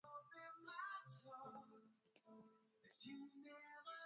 Vyombo na vifaa vinavyahitajika kutengeneza kaukau ya viazi lishe krips